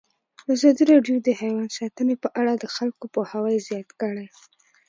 ازادي راډیو د حیوان ساتنه په اړه د خلکو پوهاوی زیات کړی.